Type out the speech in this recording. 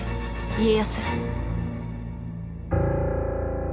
家康。